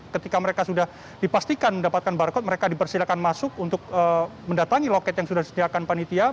ketika mereka sudah dipastikan mendapatkan barcode mereka dipersilakan masuk untuk mendatangi loket yang sudah disediakan panitia